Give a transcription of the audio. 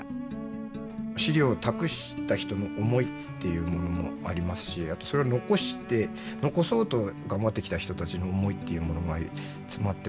資料を託した人の思いっていうものもありますしあとそれを残して残そうと頑張ってきた人たちの思いっていうものが詰まってましたので。